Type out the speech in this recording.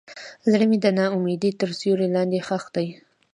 زړه مې د ناامیدۍ تر سیوري لاندې ښخ دی.